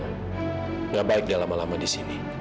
tidak baik dia lama lama di sini